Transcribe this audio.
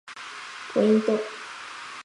ポイント